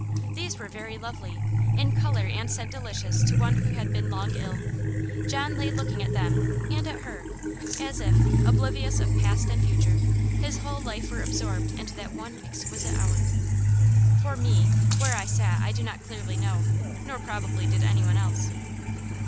These were very lovely; in colour and scent delicious to one who had been long ill. John lay looking at them and at her, as if, oblivious of past and future, his whole life were absorbed into that one exquisite hour. For me where I sat I do not clearly know, nor probably did any one else.